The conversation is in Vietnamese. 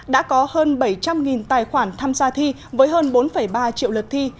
đã có hơn bảy trăm linh tài khoản tham gia thi với hơn bốn ba triệu lượt thi